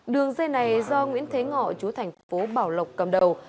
đường dây này do nguyễn thế ngọ chú thành phố bảo lộc cầm đầu